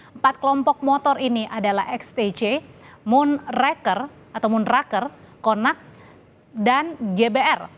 empat kelompok motor ini adalah xtc moonraker konak dan jbr